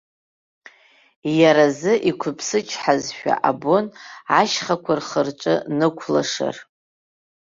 Иаразы иқәыԥсычҳазшәа абон, ашьхақәа рхы-рҿы нықәлашар.